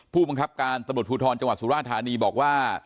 ผู้บังคับการตำรวจภูทรจังหวัดสุราธานีบอกว่า